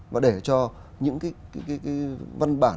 và để cho những văn bản